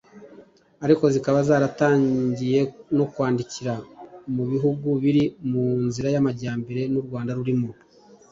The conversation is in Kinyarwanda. ariko zikaba zaratangiye no kwadukira mu bihugu biri mu nzira y’amajyambere n’u Rwanda rurimo